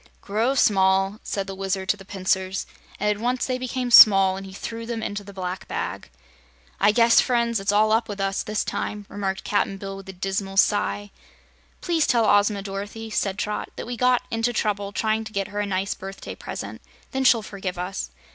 "Grow small!" said the Wizard to the pincers, and at once they became small and he threw them into the black bag. "I guess, friends, it's all up with us, this time," remarked Cap'n Bill, with a dismal sigh. "Please tell Ozma, Dorothy," said Trot, "that we got into trouble trying to get her a nice birthday present. Then she'll forgive us.